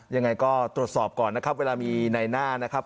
ยังไงก็ตรวจสอบก่อนนะครับเวลามีในหน้านะครับ